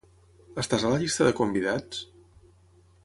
Estàs a la llista de convidats?